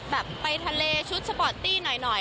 ไปทะเลชุดสปอร์ตตี้หน่อย